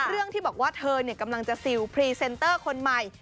เรื่องที่บอกว่าเธอกำลังจะซิลพรีเซนเตอร์คนใหม่